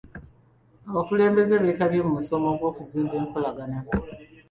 Abakulembeze beetabye mu musomo gw'okuzimba enkolagana.